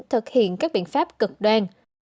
thực hiện các biện pháp cực đoan